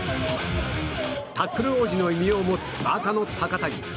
タックル王子の異名を持つ赤の高谷。